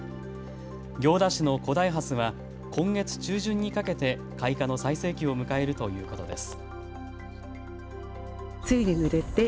行田市の古代ハスは今月中旬にかけて開花の最盛期を迎えるということです。